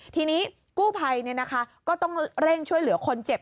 ทีนี้กู้ภัยก็ต้องเร่งช่วยเหลือคนเจ็บ